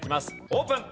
オープン。